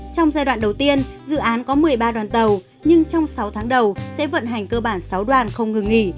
trong giai đoạn đầu tiên dự án có một mươi ba đoàn tàu nhưng trong sáu tháng đầu sẽ vận hành cơ bản sáu đoàn không ngừng nghỉ